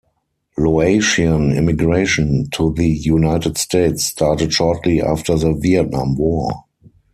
Laotian immigration to the United States started shortly after the Vietnam War.